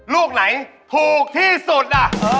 ลูกไหนถูกที่สุด